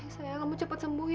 saya kamu cepat sembuh ya